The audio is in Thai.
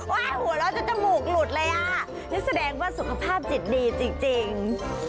หัวเราะจนจมูกหลุดเลยอ่ะนี่แสดงว่าสุขภาพจิตดีจริง